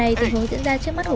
em không thể làm như thế